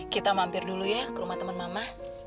kita mampir dulu ya ke rumah teman mama